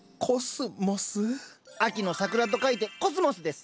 秋の桜と書いてコスモスです。